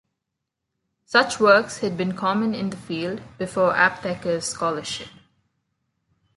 Such works had been common in the field before Aptheker's scholarship.